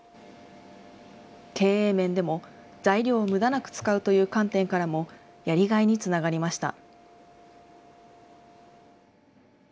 経営面でも、材料をむだなく使うという観点からも、やりがいにつながりました。